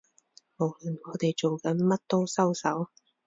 無論我哋做緊乜都收手